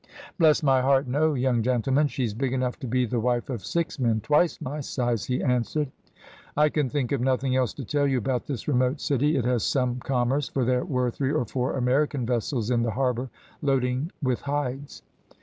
"`Bless my heart, no, young gentlemen; she's big enough to be the wife of six men, twice my size,' he answered. "I can think of nothing else to tell you about this remote city. It has some commerce, for there were three or four American vessels in the harbour loading with hides.